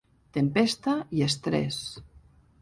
Tempesta i estrès